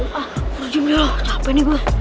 kau ah berhenti dulu capek nih gue